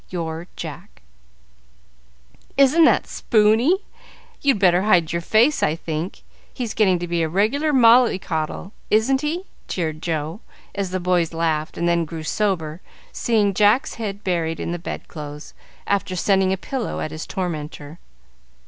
"Your Jack" "Isn't that spoony? You'd better hide your face, I think. He's getting to be a regular mollycoddle, isn't he?" jeered Joe, as the boys laughed, and then grew sober, seeing Jack's head buried in the bedclothes, after sending a pillow at his tormentor.